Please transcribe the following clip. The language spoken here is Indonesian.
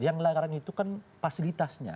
yang melarang itu kan fasilitasnya